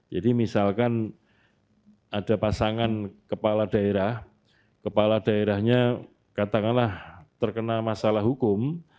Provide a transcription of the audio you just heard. jadi misalkan ada pasangan kepala daerah kepala daerahnya katakanlah terkena masalah hukum